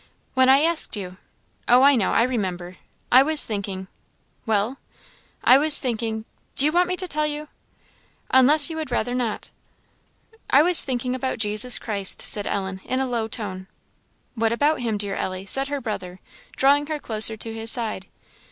"When I asked you " "Oh, I know I remember. I was thinking " "Well?" "I was thinking do you want me to tell you?" "Unless you would rather not." "I was thinking about Jesus Christ," said Ellen, in a low tone. "What about him, dear Ellie?" said her brother, drawing her closer to his side.